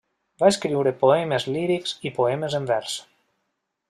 Va escriure poemes lírics i poemes en vers.